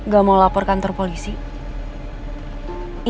gak mau lapor kantor polisi